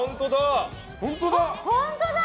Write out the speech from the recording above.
本当だ！